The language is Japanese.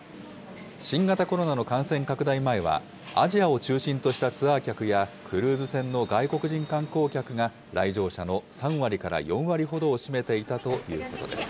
新型コロナの感染拡大前は、アジアを中心としたツアー客や、クルーズ船の外国人観光客が、来場者の３割から４割ほどを占めていたということです。